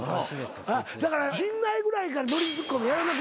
だから陣内ぐらいからノリツッコミやらなくなってんねん。